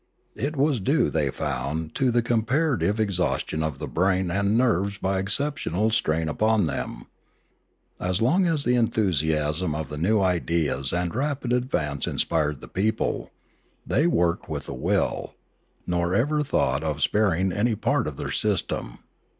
It was due, they found, to the comparative exhaustion of the brain and nerves by exceptional strain upon them. As long as the enthusiasm of the new ideas and rapid advauce inspired the people, they worked with a will, nor ever thought of sparing any part of their system.